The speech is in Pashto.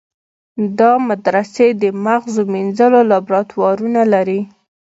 دا مدرسې د مغزو مینځلو لابراتوارونه لري.